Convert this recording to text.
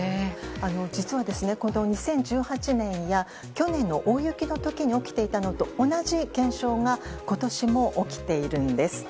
実は、この２０１８年や去年の大雪の時に起きていたのと同じ現象が今年も起きているんです。